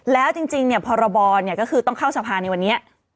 แล้วจริงเนี่ยพรบรเนี่ยก็คือต้องเข้าสภาในวันนี้